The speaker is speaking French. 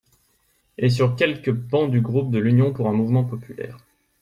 Et sur quelques bancs du groupe de l’Union pour un mouvement populaire.